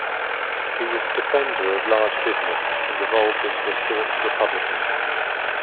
He was a defender of large business and evolved into a staunch Republican.